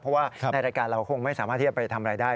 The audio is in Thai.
เพราะว่าในรายการเราคงไม่สามารถที่จะไปทำอะไรได้